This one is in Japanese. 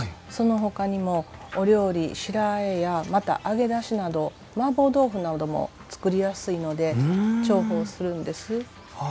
そのほかにもお料理白あえやまた揚げ出しなどマーボー豆腐なども作りやすいので重宝するんです。